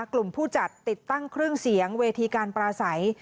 กลุ่มผู้จัดติดตั้งเครื่องเสียงเวทีการปราศัย